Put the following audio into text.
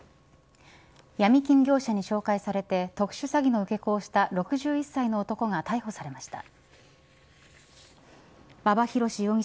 ヤミ金業者に紹介されて特殊詐欺の受け子をした６１歳の男が逮捕されました。